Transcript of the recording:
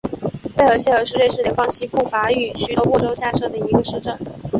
贝尔谢尔是瑞士联邦西部法语区的沃州下设的一个市镇。